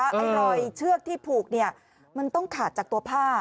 ไอ้รอยเชือกที่ผูกเนี่ยมันต้องขาดจากตัวผ้า